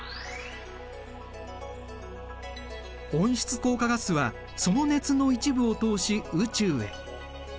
温室効果ガスはその熱の一部を通し宇宙へ。